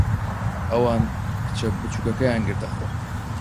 ئەوان کچە بچووکەکەیان گرتەخۆ.